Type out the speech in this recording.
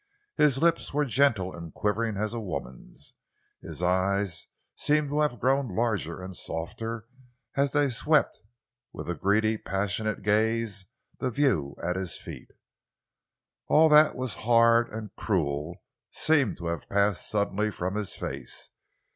His lips were gentle and quivering as a woman's, his eyes seemed to have grown larger and softer as they swept with a greedy, passionate gaze the view at his feet. All that was hard and cruel seemed to have passed suddenly from his face.